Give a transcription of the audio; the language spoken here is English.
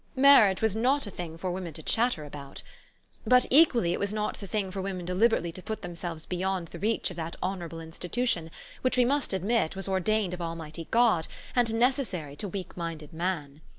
Marriage was not a thing for women to chatter about. But equally it was not the thing for women deliberately to put themselves beyond the reach of that honorable institution, which, we must admit, was ordained of Almighty God, and neces sary to weak minded man.